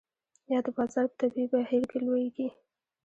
یا د بازار په طبیعي بهیر کې لویږي.